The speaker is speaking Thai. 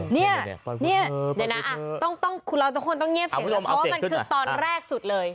นี้นี่เดี๋ยวนายต้องเงียบเสียงเพราะมันคือตอนแรกสุดเลย